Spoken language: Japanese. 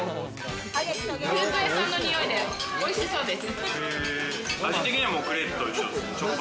クレープ屋さんのにおいです、おいしそうです。